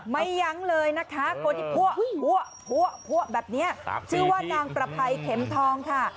ยั้งเลยนะคะคนที่พัวแบบนี้ชื่อว่านางประภัยเข็มทองค่ะ